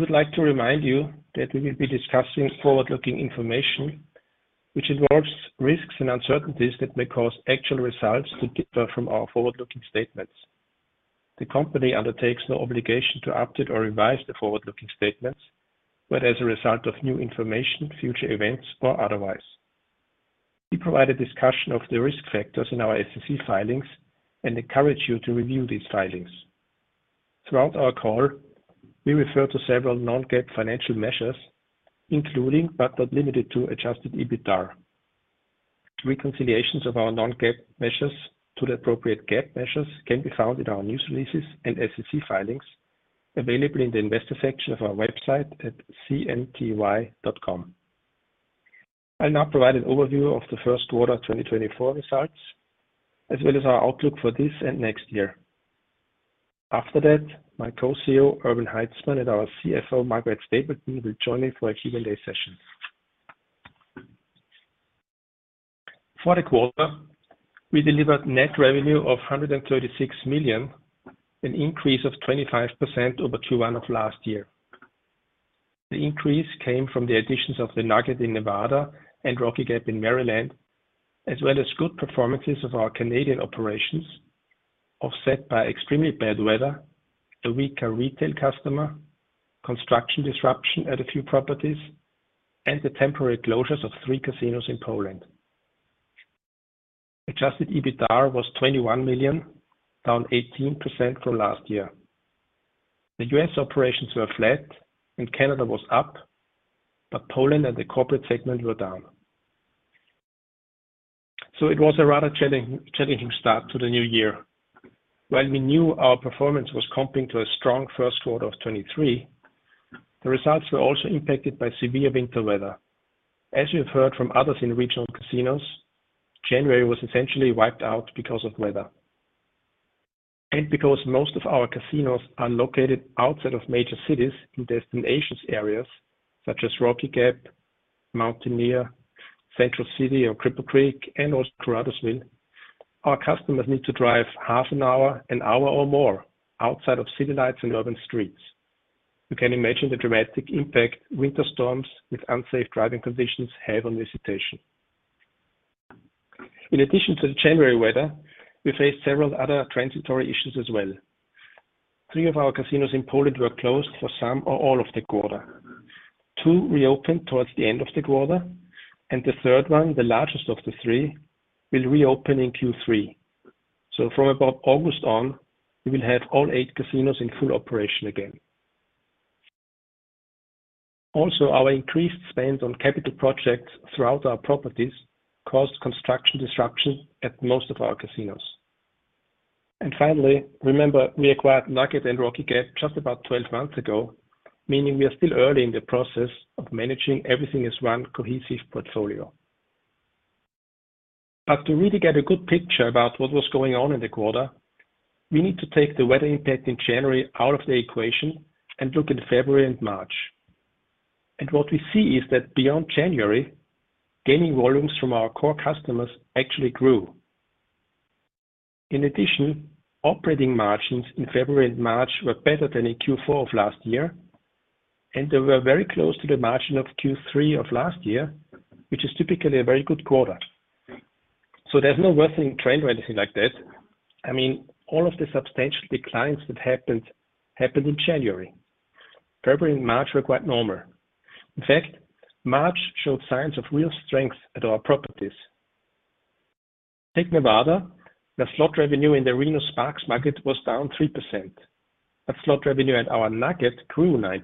We would like to remind you that we will be discussing forward-looking information, which involves risks and uncertainties that may cause actual results to differ from our forward-looking statements. The company undertakes no obligation to update or revise the forward-looking statements, whether as a result of new information, future events, or otherwise. We provide a discussion of the risk factors in our SEC filings and encourage you to review these filings. Throughout our call, we refer to several non-GAAP financial measures, including but not limited to Adjusted EBITDA. Reconciliations of our non-GAAP measures to the appropriate GAAP measures can be found in our news releases and SEC filings, available in the Investor section of our website at cnty.com. I'll now provide an overview of the first quarter 2024 results, as well as our outlook for this and next year. After that, my co-CEO Erwin Haitzmann and our CFO Margaret Stapleton will join me for a Q&A session. For the quarter, we delivered net revenue of $136 million, an increase of 25% over Q1 of last year. The increase came from the additions of the Nugget in Nevada and Rocky Gap in Maryland, as well as good performances of our Canadian operations, offset by extremely bad weather, a weaker retail customer, construction disruption at a few properties, and the temporary closures of three casinos in Poland. Adjusted EBITDA was $21 million, down 18% from last year. The U.S. operations were flat, and Canada was up, but Poland and the corporate segment were down. So it was a rather challenging start to the new year. While we knew our performance was comping to a strong first quarter of 2023, the results were also impacted by severe winter weather. As you have heard from others in regional casinos, January was essentially wiped out because of weather. Because most of our casinos are located outside of major cities in destinations areas such as Rocky Gap, Mountaineer, Central City or Cripple Creek, and also Caruthersville, our customers need to drive half an hour, an hour, or more outside of city lights and urban streets. You can imagine the dramatic impact winter storms with unsafe driving conditions have on visitation. In addition to the January weather, we faced several other transitory issues as well. Three of our casinos in Poland were closed for some or all of the quarter. Two reopened towards the end of the quarter, and the third one, the largest of the three, will reopen in Q3. From about August on, we will have all eight casinos in full operation again. Also, our increased spend on capital projects throughout our properties caused construction disruption at most of our casinos. Finally, remember, we acquired Nugget and Rocky Gap just about 12 months ago, meaning we are still early in the process of managing everything as one cohesive portfolio. To really get a good picture about what was going on in the quarter, we need to take the weather impact in January out of the equation and look in February and March. What we see is that beyond January, gaining volumes from our core customers actually grew. In addition, operating margins in February and March were better than in Q4 of last year, and they were very close to the margin of Q3 of last year, which is typically a very good quarter. There's no worsening trend or anything like that. I mean, all of the substantial declines that happened happened in January. February and March were quite normal. In fact, March showed signs of real strength at our properties. Take Nevada: the slot revenue in the Reno-Sparks market was down 3%, but slot revenue at our Nugget grew 9%.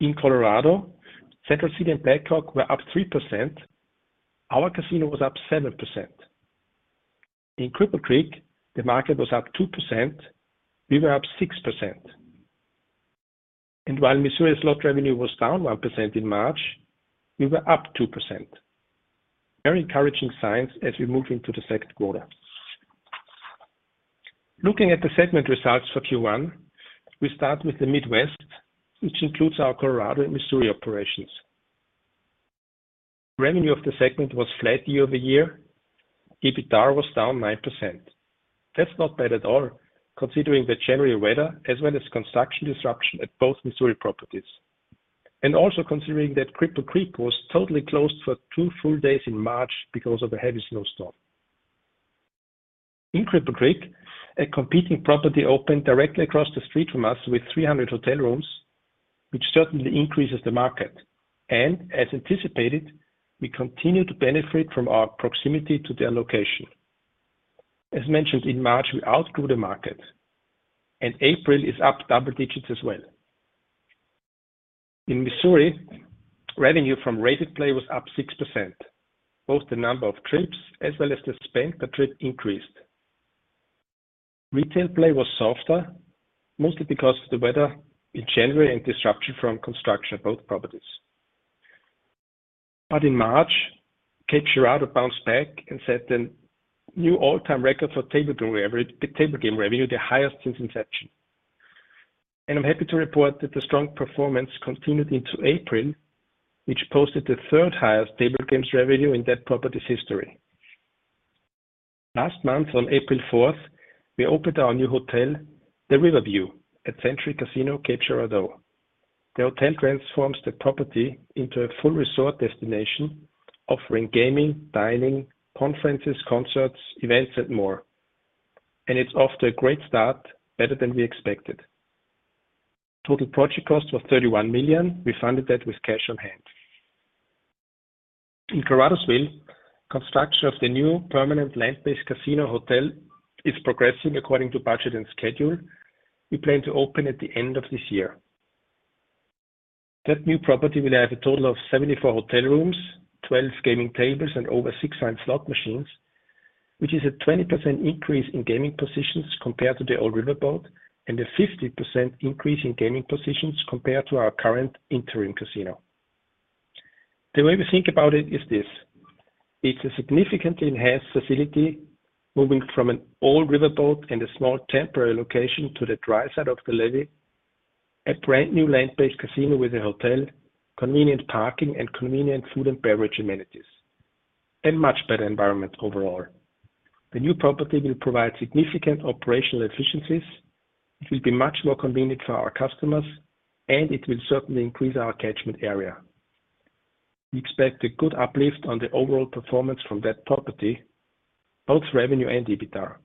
In Colorado, Central City and Black Hawk were up 3%. Our casino was up 7%. In Cripple Creek, the market was up 2%. We were up 6%. And while Missouri slot revenue was down 1% in March, we were up 2%. Very encouraging signs as we move into the second quarter. Looking at the segment results for Q1, we start with the Midwest, which includes our Colorado and Missouri operations. Revenue of the segment was flat year-over-year. EBITDA was down 9%. That's not bad at all, considering the January weather as well as construction disruption at both Missouri properties, and also considering that Cripple Creek was totally closed for 2 full days in March because of a heavy snowstorm. In Cripple Creek, a competing property opened directly across the street from us with 300 hotel rooms, which certainly increases the market. As anticipated, we continue to benefit from our proximity to their location. As mentioned in March, we outgrew the market, and April is up double digits as well. In Missouri, revenue from Retail Play was up 6%, both the number of trips as well as the spend per trip increased. Retail Play was softer, mostly because of the weather in January and disruption from construction at both properties. In March, Cape Girardeau bounced back and set a new all-time record for table game revenue, the highest since inception. I'm happy to report that the strong performance continued into April, which posted the third highest table games revenue in that property's history. Last month, on April 4th, we opened our new hotel, The Riverview, at Century Casino Cape Girardeau. The hotel transforms the property into a full resort destination offering gaming, dining, conferences, concerts, events, and more. And it's off to a great start, better than we expected. Total project cost was $31 million. We funded that with cash on hand. In Caruthersville, construction of the new permanent land-based casino hotel is progressing according to budget and schedule. We plan to open at the end of this year. That new property will have a total of 74 hotel rooms, 12 gaming tables, and over 600 fine slot machines, which is a 20% increase in gaming positions compared to the old riverboat and a 50% increase in gaming positions compared to our current interim casino. The way we think about it is this: it's a significantly enhanced facility moving from an old riverboat and a small temporary location to the dry side of the levee, a brand new land-based casino with a hotel, convenient parking, and convenient food and beverage amenities, and much better environment overall. The new property will provide significant operational efficiencies. It will be much more convenient for our customers, and it will certainly increase our catchment area. We expect a good uplift on the overall performance from that property, both revenue and EBITDA.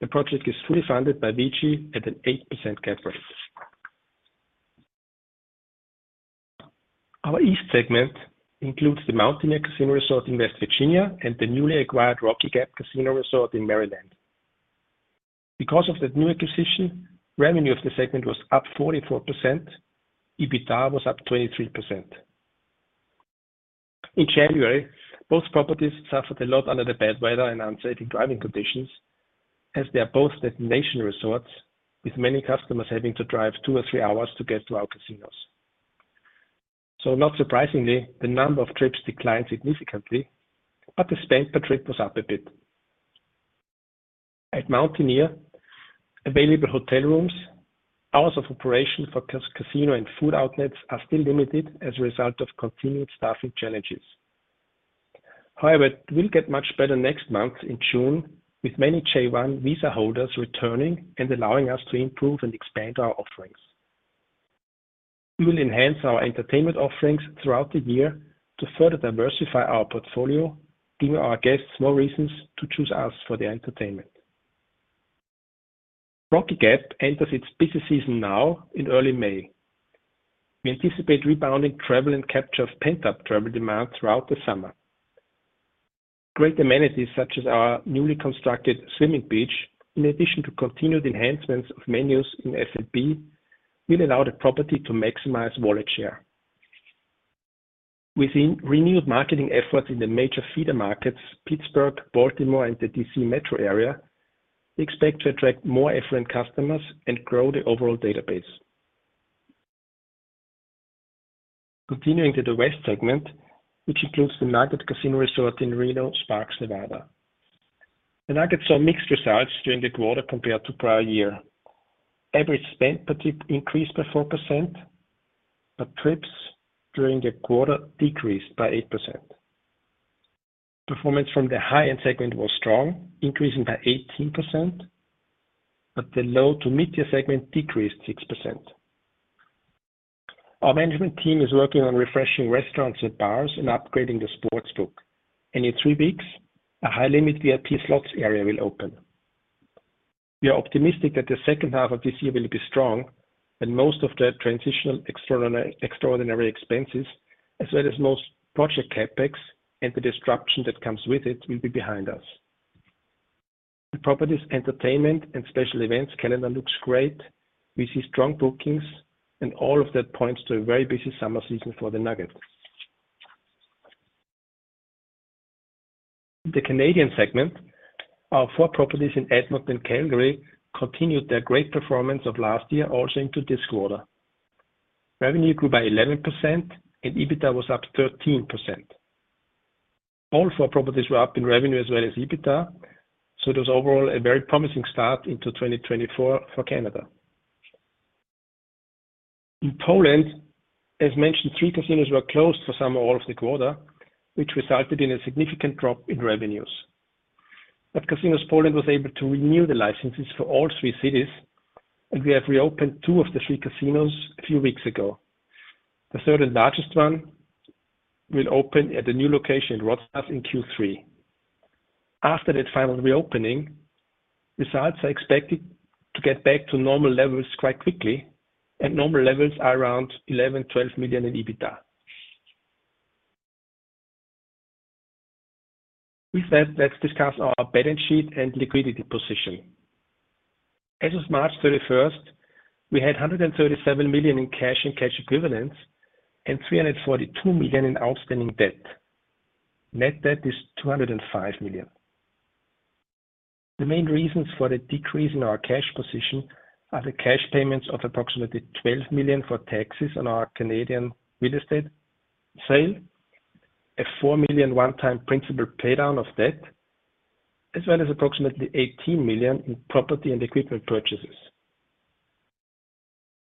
The project is fully funded by VG at an 8% cap rate. Our East segment includes the Mountaineer Casino Resort in West Virginia and the newly acquired Rocky Gap Casino Resort in Maryland. Because of that new acquisition, revenue of the segment was up 44%. EBITDA was up 23%. In January, both properties suffered a lot under the bad weather and unsafe driving conditions, as they are both destination resorts, with many customers having to drive two or three hours to get to our casinos. So not surprisingly, the number of trips declined significantly, but the spend per trip was up a bit. At Mountaineer, available hotel rooms, hours of operation for casino and food outlets are still limited as a result of continued staffing challenges. However, it will get much better next month in June, with many J-1 visa holders returning and allowing us to improve and expand our offerings. We will enhance our entertainment offerings throughout the year to further diversify our portfolio, giving our guests more reasons to choose us for their entertainment. Rocky Gap enters its busy season now in early May. We anticipate rebounding travel and capture of pent-up travel demand throughout the summer. Great amenities such as our newly constructed swimming beach, in addition to continued enhancements of menus in F&B, will allow the property to maximize wallet share. With renewed marketing efforts in the major feeder markets, Pittsburgh, Baltimore, and the D.C. metro area, we expect to attract more affluent customers and grow the overall database. Continuing to the west segment, which includes the Nugget Casino Resort in Reno-Sparks, Nevada. The Nuggets saw mixed results during the quarter compared to prior year. Average spend per trip increased by 4%, but trips during the quarter decreased by 8%. Performance from the high-end segment was strong, increasing by 18%, but the low to mid-tier segment decreased 6%. Our management team is working on refreshing restaurants and bars and upgrading the sports book. In 3 weeks, a high-limit VIP slots area will open. We are optimistic that the second half of this year will be strong, and most of the transitional extraordinary expenses, as well as most project Capex and the disruption that comes with it, will be behind us. The properties' entertainment and special events calendar looks great. We see strong bookings, and all of that points to a very busy summer season for the Nugget. In the Canadian segment, our 4 properties in Edmonton and Calgary continued their great performance of last year also into this quarter. Revenue grew by 11%, and EBITDA was up 13%. All four properties were up in revenue as well as EBITDA, so it was overall a very promising start into 2024 for Canada. In Poland, as mentioned, three casinos were closed for some or all of the quarter, which resulted in a significant drop in revenues. But Casinos Poland was able to renew the licenses for all three cities, and we have reopened two of the three casinos a few weeks ago. The third and largest one will open at a new location in Wrocław in Q3. After that final reopening, results are expected to get back to normal levels quite quickly, and normal levels are around $11-$12 million in EBITDA. With that, let's discuss our balance sheet and liquidity position. As of March 31st, we had $137 million in cash and cash equivalents and $342 million in outstanding debt. Net debt is $205 million. The main reasons for the decrease in our cash position are the cash payments of approximately $12 million for taxes on our Canadian real estate sale, a $4 million one-time principal paydown of debt, as well as approximately $18 million in property and equipment purchases.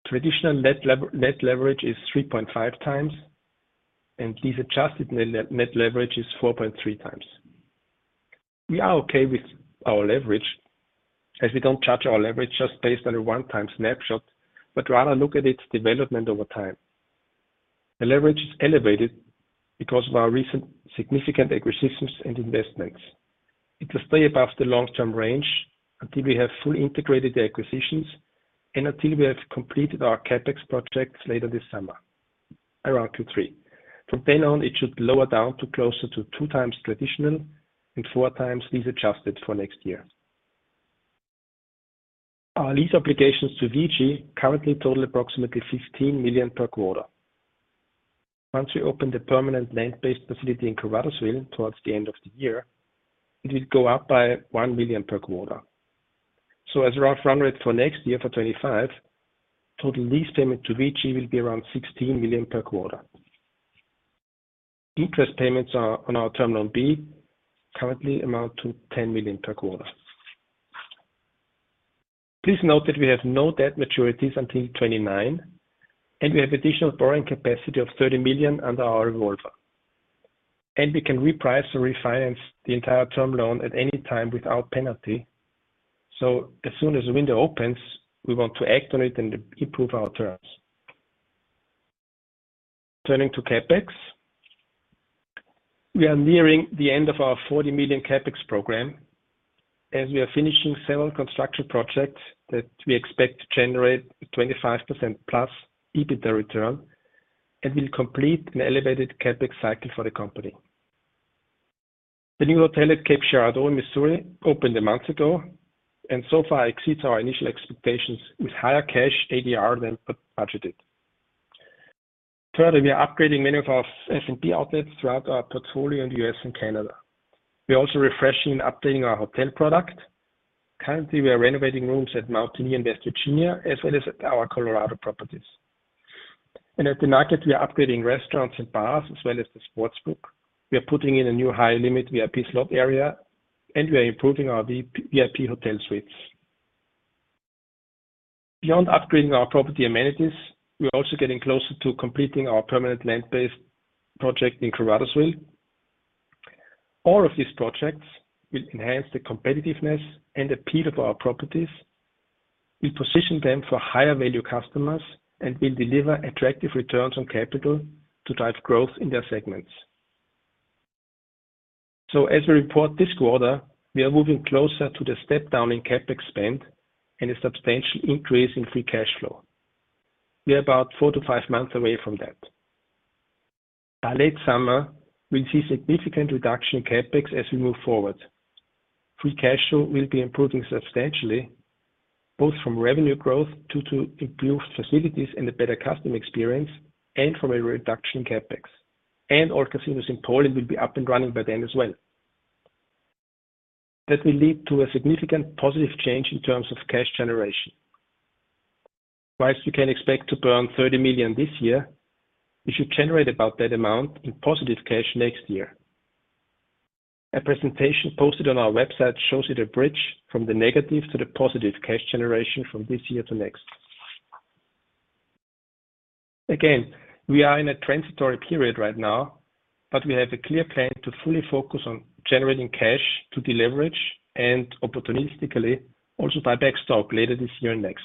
Traditional net leverage is 3.5 times, and lease-adjusted net leverage is 4.3 times. We are okay with our leverage, as we don't judge our leverage just based on a one-time snapshot, but rather look at its development over time. The leverage is elevated because of our recent significant acquisitions and investments. It will stay above the long-term range until we have fully integrated the acquisitions and until we have completed our CapEx projects later this summer, around Q3. From then on, it should lower down to closer to two times traditional and four times lease-adjusted for next year. Our lease obligations to VG currently total approximately $15 million per quarter. Once we open the permanent land-based facility in Caruthersville towards the end of the year, it will go up by $1 million per quarter. So as a rough run rate for next year for 2025, total lease payment to VG will be around $16 million per quarter. Interest payments on our Terminal B currently amount to $10 million per quarter. Please note that we have no debt maturities until 2029, and we have additional borrowing capacity of $30 million under our revolver. And we can reprice or refinance the entire term loan at any time without penalty. So as soon as a window opens, we want to act on it and improve our terms. Turning to CapEx, we are nearing the end of our $40 million CapEx program as we are finishing several construction projects that we expect to generate 25%+ EBITDA return and will complete an elevated CapEx cycle for the company. The new hotel at Cape Girardeau in Missouri opened a month ago and so far exceeds our initial expectations with higher cash ADR than budgeted. Further, we are upgrading many of our F&B outlets throughout our portfolio in the U.S. and Canada. We are also refreshing and updating our hotel product. Currently, we are renovating rooms at Mountaineer in West Virginia as well as at our Colorado properties. And at the market, we are upgrading restaurants and bars as well as the sports book. We are putting in a new high-limit VIP slot area, and we are improving our VIP hotel suites. Beyond upgrading our property amenities, we are also getting closer to completing our permanent land-based project in Caruthersville. All of these projects will enhance the competitiveness and appeal of our properties, will position them for higher-value customers, and will deliver attractive returns on capital to drive growth in their segments. So as we report this quarter, we are moving closer to the step-down in Capex spend and a substantial increase in free cash flow. We are about 4-5 months away from that. By late summer, we'll see significant reduction in Capex as we move forward. Free cash flow will be improving substantially, both from revenue growth due to improved facilities and a better customer experience and from a reduction in Capex. And all casinos in Poland will be up and running by then as well. That will lead to a significant positive change in terms of cash generation. While we can expect to burn $30 million this year, we should generate about that amount in positive cash next year. A presentation posted on our website shows you the bridge from the negative to the positive cash generation from this year to next. Again, we are in a transitory period right now, but we have a clear plan to fully focus on generating cash to deleverage and opportunistically also buy back stock later this year and next.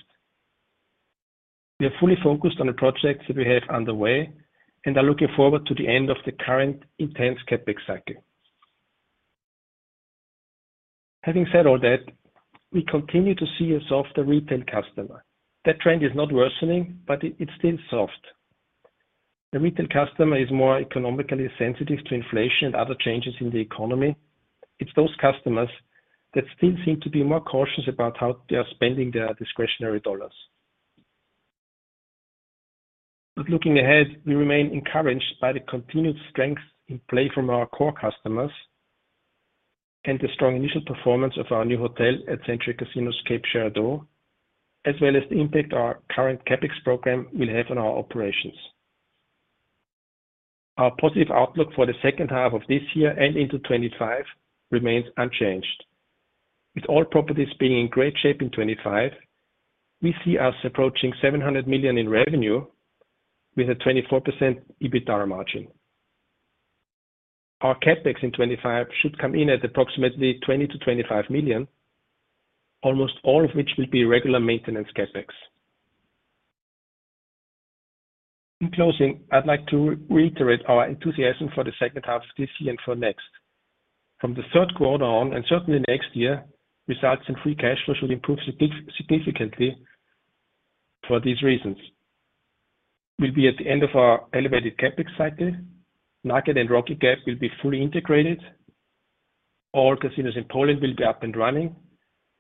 We are fully focused on the projects that we have underway and are looking forward to the end of the current intense CapEx cycle. Having said all that, we continue to see a softer retail customer. That trend is not worsening, but it's still soft. The retail customer is more economically sensitive to inflation and other changes in the economy. It's those customers that still seem to be more cautious about how they are spending their discretionary dollars. But looking ahead, we remain encouraged by the continued strength in play from our core customers and the strong initial performance of our new hotel at Century Casino Cape Girardeau, as well as the impact our current CapEx program will have on our operations. Our positive outlook for the second half of this year and into 2025 remains unchanged. With all properties being in great shape in 2025, we see us approaching $700 million in revenue with a 24% EBITDA margin. Our CapEx in 2025 should come in at approximately $20 million-$25 million, almost all of which will be regular maintenance CapEx. In closing, I'd like to reiterate our enthusiasm for the second half of this year and for next. From the third quarter on and certainly next year, results in free cash flow should improve significantly for these reasons. We'll be at the end of our elevated Capex cycle. Nugget and Rocky Gap will be fully integrated. All casinos in Poland will be up and running.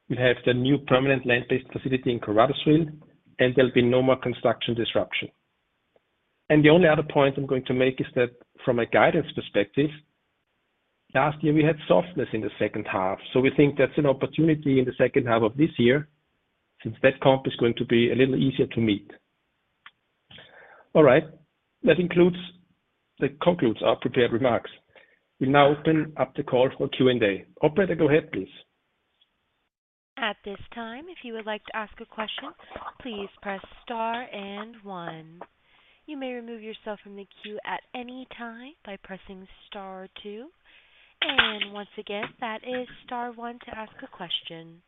We'll have the new permanent land-based facility in Caruthersville, and there'll be no more construction disruption. And the only other point I'm going to make is that from a guidance perspective, last year, we had softness in the second half. So we think that's an opportunity in the second half of this year since that comp is going to be a little easier to meet. All right. That concludes our prepared remarks. We'll now open up the call for a Q&A. Operator, go ahead, please. At this time, if you would like to ask a question, please press star and one. You may remove yourself from the queue at any time by pressing star two. And once again, that is star one to ask a question.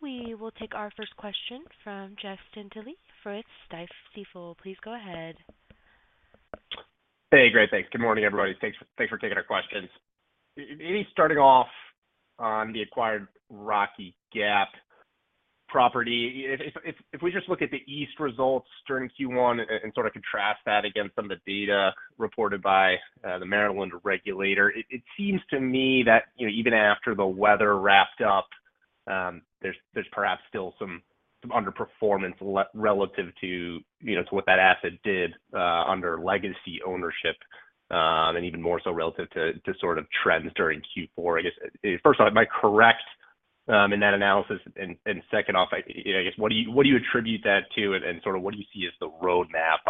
We will take our first question from Justin Dilley at Stifel. Please go ahead. Hey, great. Thanks. Good morning, everybody. Thanks for taking our questions. I'll just start off on the acquired Rocky Gap property. If we just look at the EBITDA results during Q1 and sort of contrast that against some of the data reported by the Maryland regulator, it seems to me that even after the weather wrapped up, there's perhaps still some underperformance relative to what that asset did under legacy ownership and even more so relative to sort of trends during Q4. I guess, first off, am I correct in that analysis? And second off, I guess, what do you attribute that to, and sort of what do you see as the roadmap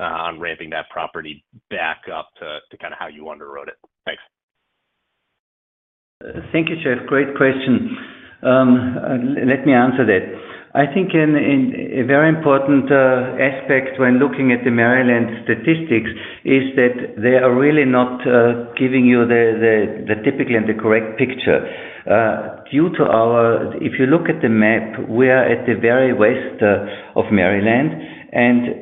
on ramping that property back up to kind of how you underwrote it? Thanks. Thank you, Jeff. Great question. Let me answer that. I think a very important aspect when looking at the Maryland statistics is that they are really not giving you the typical and the correct picture. If you look at the map, we are at the very west of Maryland.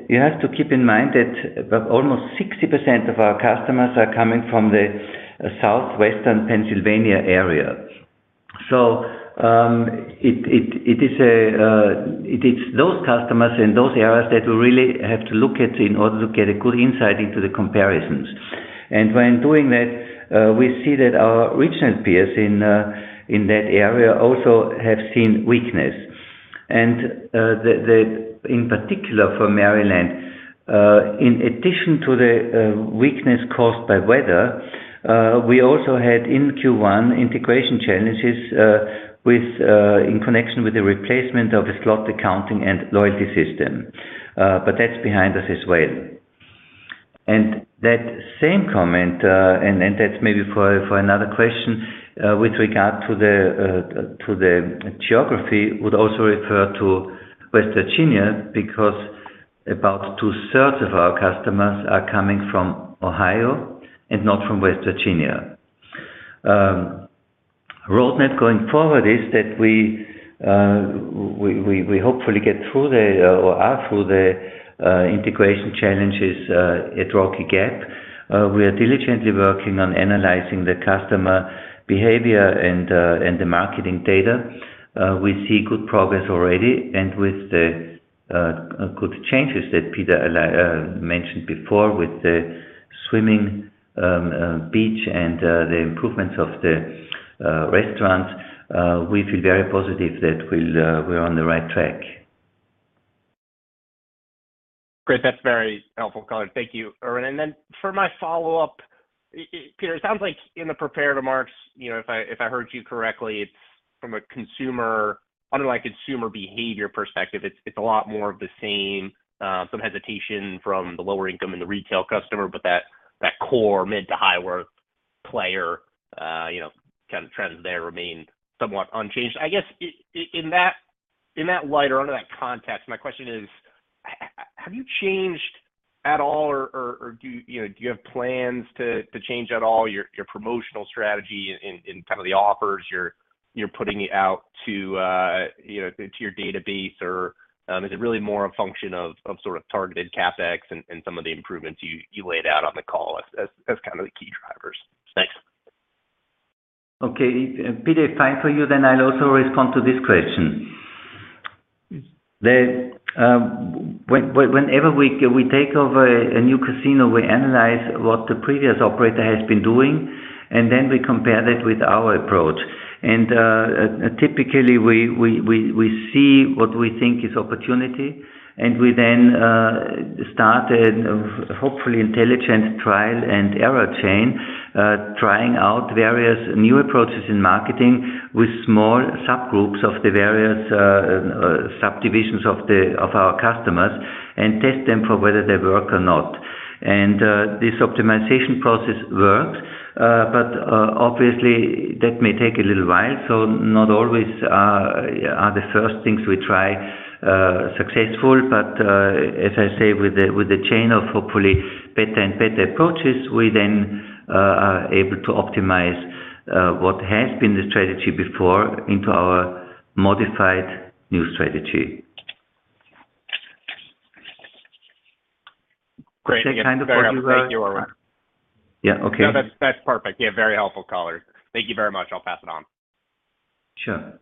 You have to keep in mind that almost 60% of our customers are coming from the southwestern Pennsylvania area. So it is those customers and those areas that we really have to look at in order to get a good insight into the comparisons. And when doing that, we see that our regional peers in that area also have seen weakness. In particular, for Maryland, in addition to the weakness caused by weather, we also had in Q1 integration challenges in connection with the replacement of a slot accounting and loyalty system. That's behind us as well. That same comment, and that's maybe for another question with regard to the geography, would also refer to West Virginia because about two-thirds of our customers are coming from Ohio and not from West Virginia. Roadmap going forward is that we hopefully get through or are through the integration challenges at Rocky Gap. We are diligently working on analyzing the customer behavior and the marketing data. We see good progress already. With the good changes that Peter mentioned before with the swimming beach and the improvements of the restaurants, we feel very positive that we're on the right track. Great. That's very helpful, Color. Thank you, Erwin. Then for my follow-up, Peter, it sounds like in the prepared remarks, if I heard you correctly, it's from a consumer behavior perspective, it's a lot more of the same, some hesitation from the lower-income and the retail customer, but that core mid to high-worth player kind of trends there remain somewhat unchanged. I guess in that light or under that context, my question is, have you changed at all, or do you have plans to change at all your promotional strategy in kind of the offers you're putting out to your database? Or is it really more a function of sort of targeted CapEx and some of the improvements you laid out on the call as kind of the key drivers? Thanks. Okay. Peter, if time for you, then I'll also respond to this question. Whenever we take over a new casino, we analyze what the previous operator has been doing, and then we compare that with our approach. Typically, we see what we think is opportunity, and we then start a hopefully intelligent trial and error chain, trying out various new approaches in marketing with small subgroups of the various subdivisions of our customers and test them for whether they work or not. This optimization process works, but obviously, that may take a little while. Not always are the first things we try successful. As I say, with the chain of hopefully better and better approaches, we then are able to optimize what has been the strategy before into our modified new strategy. Great. Jeff, that's perfect. Yeah, okay. No, that's perfect. Yeah, very helpful, Colin. Thank you very much. I'll pass it on. Sure.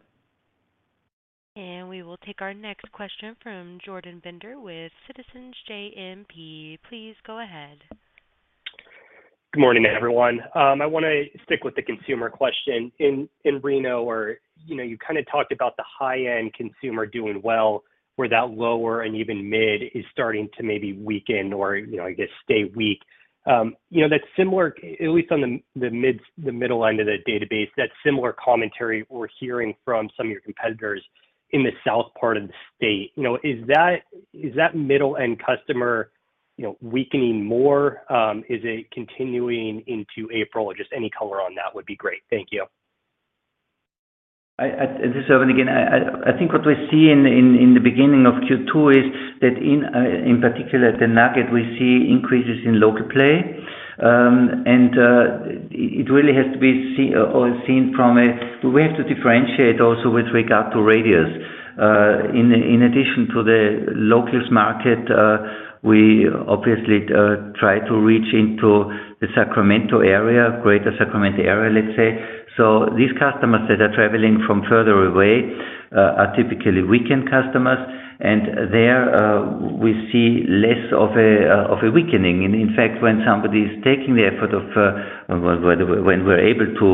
We will take our next question from Jordan Bender with Citizens JMP. Please go ahead. Good morning, everyone. I want to stick with the consumer question. In Reno, where you kind of talked about the high-end consumer doing well, where that lower and even mid is starting to maybe weaken or, I guess, stay weak, at least on the middle end of the database, that similar commentary we're hearing from some of your competitors in the south part of the state. Is that middle-end customer weakening more? Is it continuing into April? Just any color on that would be great. Thank you. Just Erwin again. I think what we see in the beginning of Q2 is that, in particular, at the Nugget, we see increases in local play. And it really has to be seen from a we have to differentiate also with regard to radius. In addition to the locals market, we obviously try to reach into the Sacramento area, Greater Sacramento area, let's say. So these customers that are traveling from further away are typically weekend customers. And there, we see less of a weakening. In fact, when somebody is taking the effort of when we're able to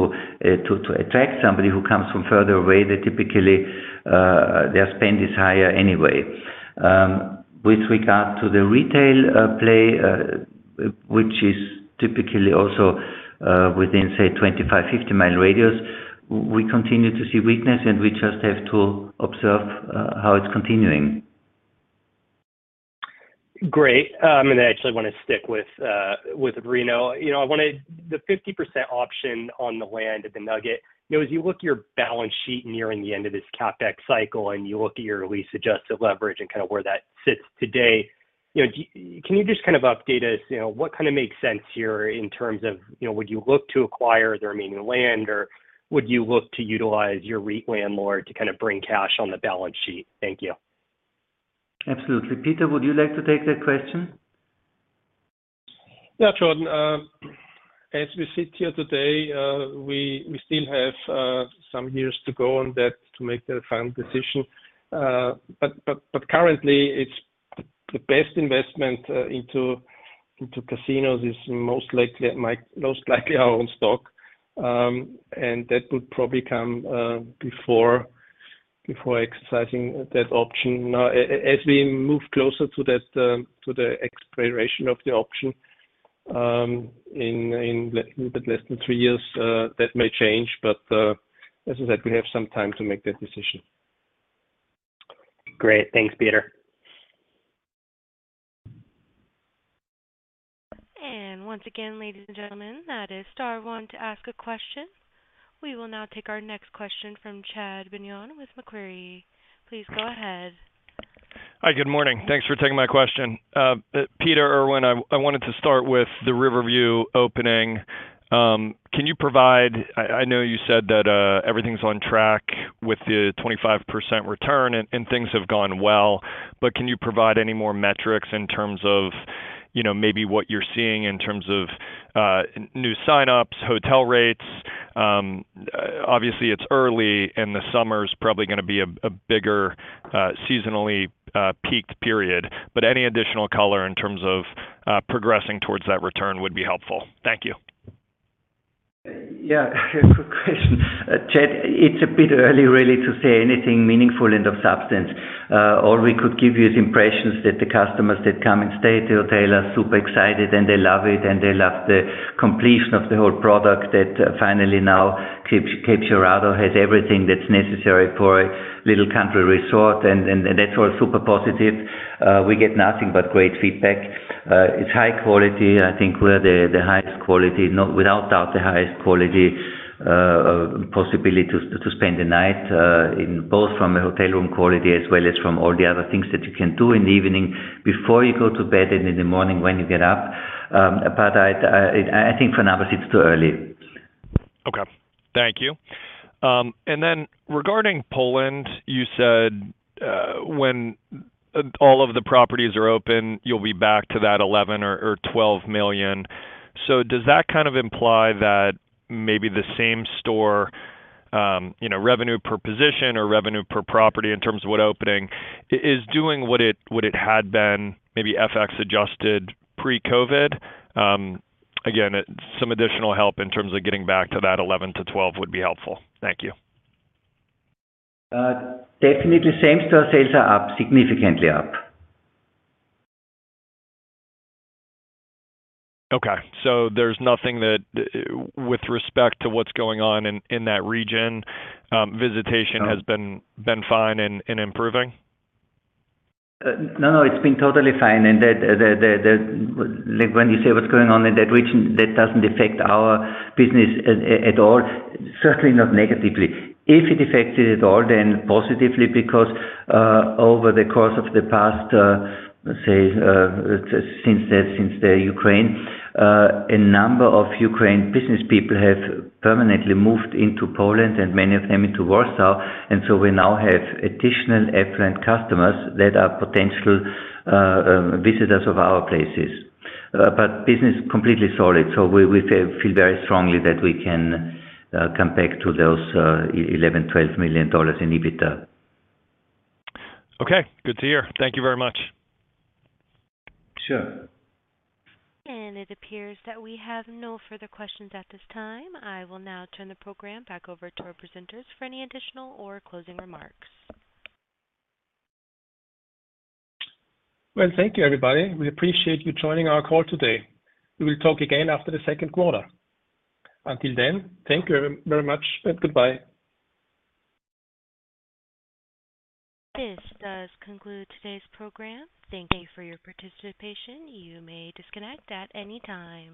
attract somebody who comes from further away, typically, their spend is higher anyway. With regard to the retail play, which is typically also within, say, 25-50-mile radius, we continue to see weakness, and we just have to observe how it's continuing. Great. And I actually want to stick with Reno. I want to the 50% option on the land at the Nugget, as you look at your balance sheet nearing the end of this CapEx cycle and you look at your lease-adjusted leverage and kind of where that sits today, can you just kind of update us? What kind of makes sense here in terms of would you look to acquire the remaining land, or would you look to utilize your REIT landlord to kind of bring cash on the balance sheet? Thank you. Absolutely. Peter, would you like to take that question? Yeah, Jordan. As we sit here today, we still have some years to go on that to make the final decision. But currently, the best investment into casinos is most likely our own stock. And that would probably come before exercising that option. Now, as we move closer to the expiration of the option in a little bit less than three years, that may change. But as I said, we have some time to make that decision. Great. Thanks, Peter. And once again, ladies and gentlemen, that is star one to ask a question. We will now take our next question from Chad Beynon with Macquarie. Please go ahead. Hi. Good morning. Thanks for taking my question. Peter, Erwin, I wanted to start with The Riverview opening. Can you provide, I know you said that everything's on track with the 25% return, and things have gone well. But can you provide any more metrics in terms of maybe what you're seeing in terms of new sign-ups, hotel rates? Obviously, it's early, and the summer's probably going to be a bigger seasonally peaked period. But any additional color in terms of progressing towards that return would be helpful. Thank you. Yeah. Quick question. Chad, it's a bit early, really, to say anything meaningful and of substance. All we could give you is impressions that the customers that come and stay at the hotel are super excited, and they love it, and they love the completion of the whole product that finally now Cape Girardeau has everything that's necessary for a little country resort. And that's all super positive. We get nothing but great feedback. It's high quality. I think we're the highest quality, without doubt, the highest quality possibility to spend a night, both from a hotel room quality as well as from all the other things that you can do in the evening before you go to bed and in the morning when you get up. But I think for now, it's too early. Okay. Thank you. And then regarding Poland, you said when all of the properties are open, you'll be back to that $11 million or $12 million. So does that kind of imply that maybe the same store revenue per position or revenue per property in terms of what opening is doing what it had been, maybe FX-adjusted pre-COVID? Again, some additional help in terms of getting back to that $11-$12 million would be helpful. Thank you. Definitely. Same store sales are up, significantly up. Okay. So there's nothing that with respect to what's going on in that region, visitation has been fine and improving? No, no. It's been totally fine. And when you say what's going on in that region, that doesn't affect our business at all, certainly not negatively. If it affected at all, then positively because over the course of the past, let's say, since Ukraine, a number of Ukrainian business people have permanently moved into Poland, and many of them into Warsaw. And so we now have additional affluent customers that are potential visitors of our places. But business is completely solid. So we feel very strongly that we can come back to those $11-$12 million in EBITDA. Okay. Good to hear. Thank you very much. Sure. And it appears that we have no further questions at this time. I will now turn the program back over to our presenters for any additional or closing remarks. Well, thank you, everybody. We appreciate you joining our call today. We will talk again after the second quarter. Until then, thank you very much, and goodbye. This does conclude today's program. Thank you for your participation. You may disconnect at any time.